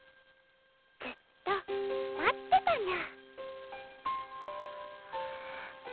「ずっと待ってたニャ」